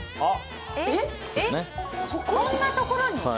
そんなところに？